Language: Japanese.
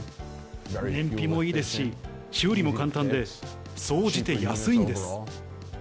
燃費もいいですし、修理も簡単で、総じて安いんです。